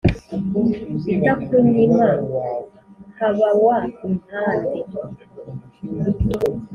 itakunyima nkabawa impande